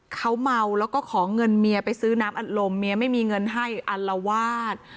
เขาเมาแล้วก็ขอเงินเมียไปซื้อน้ำอัดลมเมียไม่มีเงินให้อัลวาด